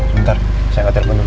bentar saya nge telepon dulu